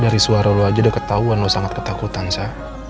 dari suara lo aja udah ketahuan lo sangat ketakutan saya